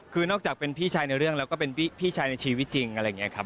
คือนอกจากเป็นพี่ชายในเรื่องแล้วก็เป็นพี่ชายในชีวิตจริงอะไรอย่างนี้ครับ